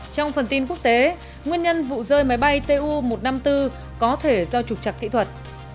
trong phần tin quốc tế nguyên nhân vụ rơi máy bay tu một trăm năm mươi bốn có thể do trục trặc kỹ thuật